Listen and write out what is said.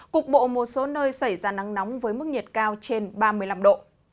cục bộ một số nơi xảy ra nắng nóng với mức nhiệt cao trên ba mươi năm độ